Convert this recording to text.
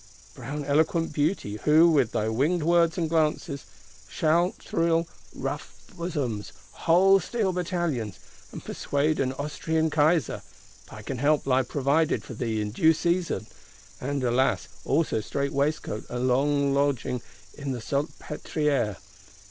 Brown eloquent Beauty; who, with thy winged words and glances, shalt thrill rough bosoms, whole steel battalions, and persuade an Austrian Kaiser,—pike and helm lie provided for thee in due season; and, alas, also strait waistcoat and long lodging in the Salpêtrière!